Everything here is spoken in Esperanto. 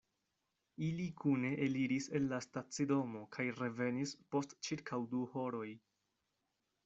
Ili kune eliris el la stacidomo kaj revenis post ĉirkaŭ du horoj.